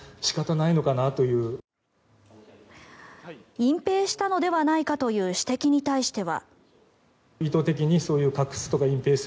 隠ぺいしたのではないかという指摘に対しては。